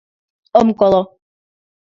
— Ом коло!